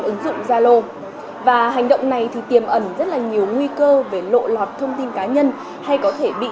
ứng dụng zalo và hành động này thì tiềm ẩn rất là nhiều nguy cơ về lộ lọt thông tin cá nhân hay có thể bị